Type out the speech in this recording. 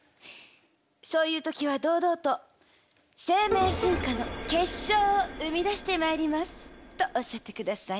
そういう時は堂々と「生命進化の結晶を生み出してまいります」とおっしゃって下さい。